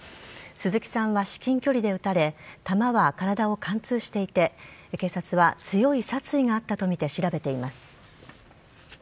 鈴木さんは至近距離で撃たれ弾は体を貫通していて警察は強い殺意があったとみて調べています。